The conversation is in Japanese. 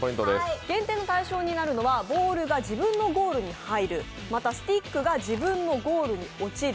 減点の対象になるのはボールが自分のゴールに入る、また、スティックが自分のゴールに落ちる。